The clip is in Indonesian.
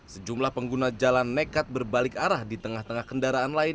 sejumlah pengguna jalan nekat berbalik arah di tengah tengah kendaraan lain